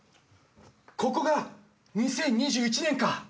ここが２０２１年か！